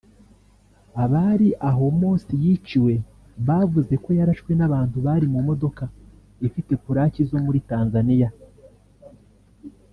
Abari aho Mossi yiciwe bavuze ko yarashwe n’abantu bari mu modoka ifite pulaki zo muri Tanzania